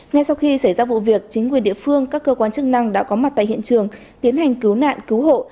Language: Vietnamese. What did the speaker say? ngay sau khi xảy ra vụ việc chính quyền địa phương các cơ quan chức năng đã có mặt tại hiện trường tiến hành cứu nạn cứu hộ